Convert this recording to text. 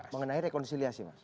mengenai rekonsiliasi mas